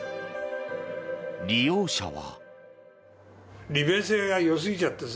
利用者は。